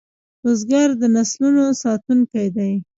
بزګر د نسلونو ساتونکی دی